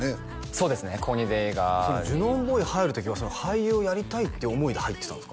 そうですね高２で映画ジュノンボーイ入る時は俳優をやりたいって思いで入ってたんですか？